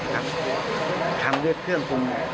ครับทำด้วยเครื่องฟุง